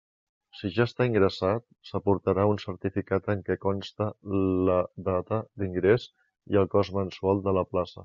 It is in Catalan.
Si ja està ingressat, s'aportarà un certificat en què conste la data d'ingrés i el cost mensual de la plaça.